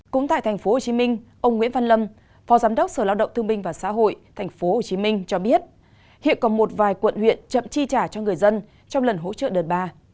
cũng tại tp hcm ông nguyễn văn lâm phó giám đốc sở lao động thương minh và xã hội tp hcm cho biết hiện còn một vài quận huyện chậm chi trả cho người dân trong lần hỗ trợ đợt ba